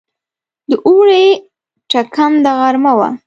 د اوړي ټکنده غرمه وه.